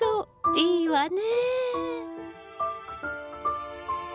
いいわね。